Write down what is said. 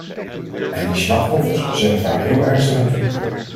En die slachtoffers zijn er vaak heel ernstig aan toe.